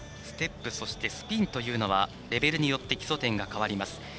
ステップそしてスピンというのはレベルによって基礎点が変わります。